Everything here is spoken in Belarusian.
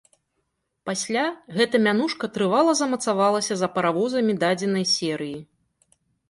Пасля гэта мянушка трывала замацавалася за паравозамі дадзенай серыі.